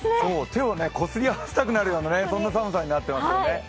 手をこすり合わせたくなるような寒さになってますね。